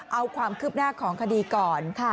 เอาความคืบหน้าของคดีก่อน